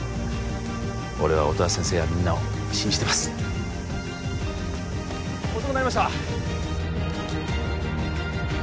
俺は音羽先生やみんなを信じてます遅くなりました